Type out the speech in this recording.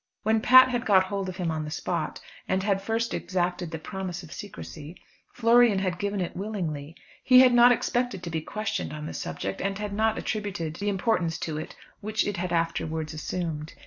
When Pat had got hold of him on the spot, and had first exacted the promise of secrecy, Florian had given it willingly. He had not expected to be questioned on the subject, and had not attributed the importance to it which it had afterwards assumed.